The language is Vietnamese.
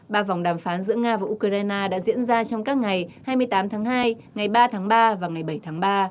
ba vòng đàm phán giữa nga và ukraine đã diễn ra trong các ngày hai mươi tám tháng hai ngày ba tháng ba và ngày bảy tháng ba